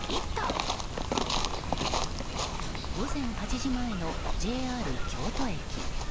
午前８時前のＪＲ京都駅。